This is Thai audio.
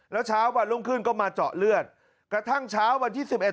แล้วเช้าวันรุ่งขึ้นก็มาเจาะเลือดกระทั่งเช้าวันที่สิบเอ็